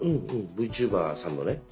ＶＴｕｂｅｒさんのね。